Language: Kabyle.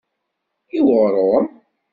I uɣrum?